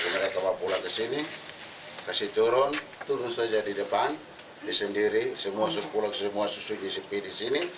mereka pulang ke sini kasih turun turun saja di depan disendiri pulang semua susu nyisipi di sini